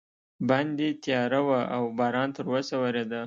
باندې تیاره وه او باران تراوسه ورېده.